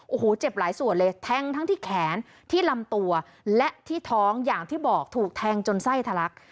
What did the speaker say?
โอ้โหเจ็บหลายส่วนเลยแทงทั้งที่แขนที่ลำตัวและที่ท้องอย่างที่บอกถูกแทงจนไส้ทะลัก